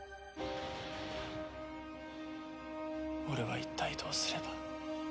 俺は一体どうすれば。